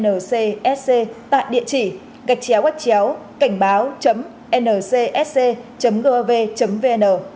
ncsc tại địa chỉ gạch chéo qát chéo cảnh báo ncsc gov vn